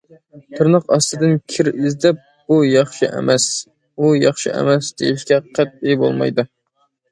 تىرناق ئاستىدىن كىر ئىزدەپ، بۇ ياخشى ئەمەس، ئۇ ياخشى ئەمەس دېيىشكە قەتئىي بولمايدۇ.